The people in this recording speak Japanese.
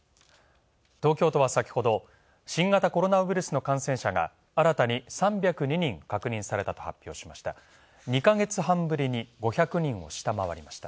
東京都は先ほど、新型コロナウイルスの感染者が新たに３０２人確認されたと発表しました。